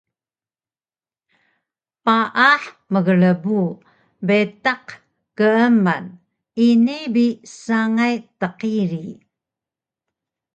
Paah mgrbu bitaq keeman ini bi sangay tqiri